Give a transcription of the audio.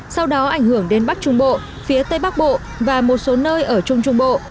sau đó ảnh hưởng đến bắc trung bộ phía tây bắc bộ và một số nơi ở trung trung bộ